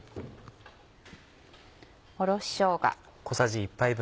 おろししょうが。